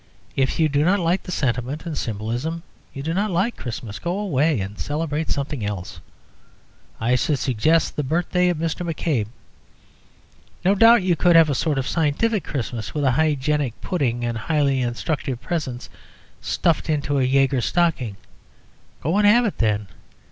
If you do not like sentiment and symbolism, you do not like Christmas; go away and celebrate something else; I should suggest the birthday of Mr. M'Cabe. No doubt you could have a sort of scientific Christmas with a hygienic pudding and highly instructive presents stuffed into a Jaeger stocking; go and have it then.